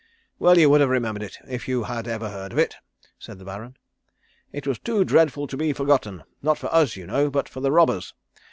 "Well, you would have remembered it, if you had ever heard of it," said the Baron. "It was too dreadful to be forgotten not for us, you know, but for the robbers.